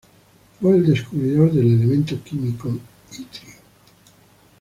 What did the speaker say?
Fue el descubridor del elemento químico itrio.